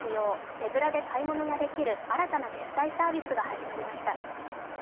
手ぶらで買い物ができる新たな決済サービスが始まりました。